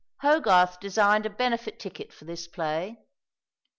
Hogarth designed a benefit ticket for this play.